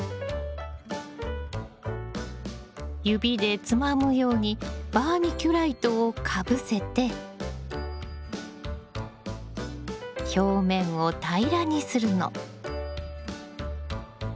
指でつまむようにバーミキュライトをかぶせて表面を平らにするの。